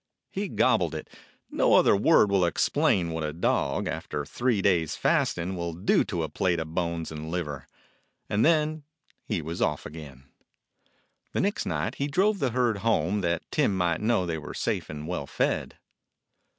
He gobbled it; no other word will explain what a dog, after three days' fasting, will do to a plate of bones and liver: and then he was off again. The next night he drove the herd home, that Tim might know they were safe and well fed.